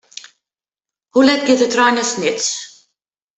Hoe let giet de trein nei Snits?